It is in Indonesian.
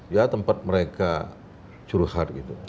ya tempat mereka curhat gitu